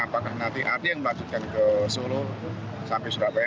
apakah nanti ada yang melanjutkan ke solo sampai surabaya